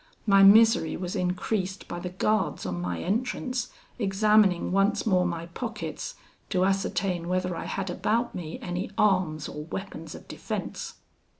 My misery was increased by the guards on my entrance, examining once more my pockets, to ascertain whether I had about me any arms or weapons of defence.